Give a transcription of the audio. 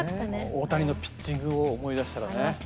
大谷のピッチングを思い出したらね。